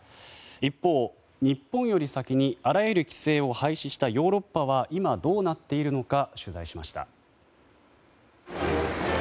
一方、日本より先にあらゆる規制を廃止したヨーロッパは今、どうなっているのか取材しました。